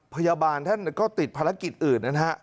พยาบาลท่านก็ติดภารกิจอื่นนะฮะ